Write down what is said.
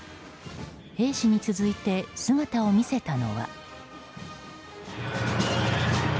兵士に続いて姿を見せたのは。